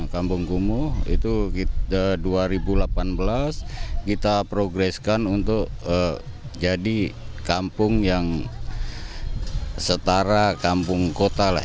kampung kumuh itu dua ribu delapan belas kita progreskan untuk jadi kampung yang setara kampung kota lah